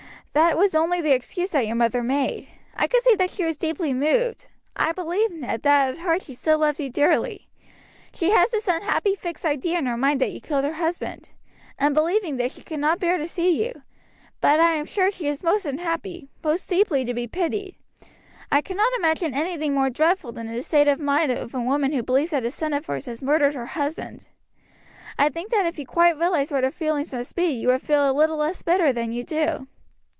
"That was only the excuse that your mother made. I could see that she was deeply moved. I believe, Ned, that at heart she still loves you dearly. She has this unhappy fixed idea in her mind that you killed her husband, and believing this she cannot bear to see you; but I am sure she is most unhappy, most deeply to be pitied. I cannot imagine anything more dreadful than the state of mind of a woman who believes that a son of hers has murdered her husband. I think that if you quite realized what her feelings must be you would feel a little less bitter than you do.